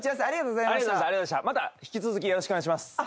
ありがとうございます。